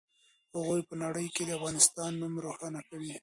هغوی په نړۍ کې د افغانستان نوم روښانه کوي.